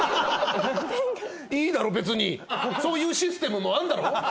いいだろ別にそういうシステムもあるんだろ。